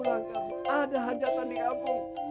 pulang kampung ada hajat tadi kampung